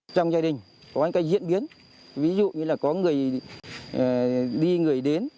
trong gia đình có những cái diễn biến ví dụ như là có người đi người đến